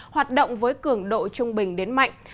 hoạt động với cường độ trung bình đến mạnh